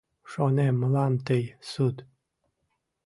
Шонем, мылам тый, суд